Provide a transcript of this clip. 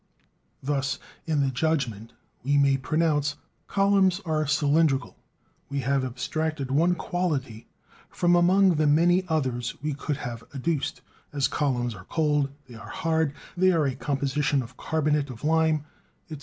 Thus in the judgment we may pronounce: columns are cylindrical, we have abstracted one quality from among the many others we could have adduced, as, columns are cold, they are hard, they are a composition of carbonate of lime, etc.